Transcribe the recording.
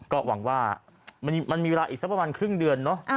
ก็หวังว่ามันมีเวลาอีกสักประมาณครึ่งเดือนเนอะ